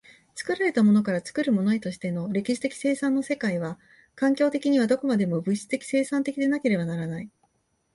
作られたものから作るものへとしての歴史的生産の世界は、環境的にはどこまでも物質的生産的でなければならない。